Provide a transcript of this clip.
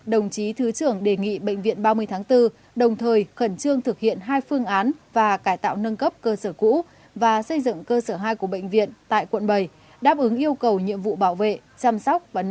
đồng chí thứ trưởng đề nghị bệnh viện ba mươi tháng bốn đồng thời khẩn trương thực hiện hai phương án và cải tạo nâng cấp cơ sở cũ và xây dựng cơ sở hai của bệnh viện tại quận bảy đáp ứng yêu cầu nhiệm vụ bảo vệ chăm sóc và nâng cao sức khỏe cán bộ chiến sĩ và nhân dân trong tình hình mới